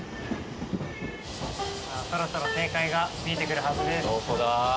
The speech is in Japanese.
そろそろ正解が見えてくるはずです。